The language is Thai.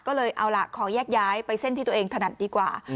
ก็เลยเอาล่ะขอแยกย้ายไปเส้นที่ตัวเองถนัดดีกว่า